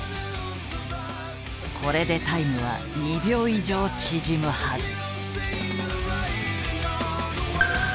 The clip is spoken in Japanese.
これでタイムは２秒以上縮むはず。